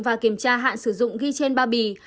và kiểm tra hạn sử dụng ghi trên bao bì